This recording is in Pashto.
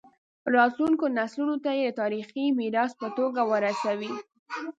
راتلونکو نسلونو ته یې د تاریخي میراث په توګه ورسوي.